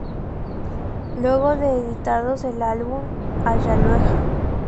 Luego de editados el álbum "Hallelujah!